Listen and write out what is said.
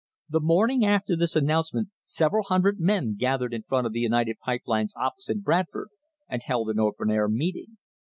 The morning after this announcement several hundred men gathered in front of the United Pipe Line's office in Bradford, and held an open air meeting.